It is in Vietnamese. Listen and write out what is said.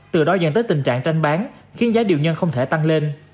từ đó dẫn tới tình trạng tranh bán khiến giá điều nhân không thể tăng lên